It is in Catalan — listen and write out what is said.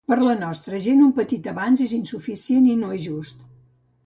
Per la nostra gent un petit avanç és insuficient i no és just.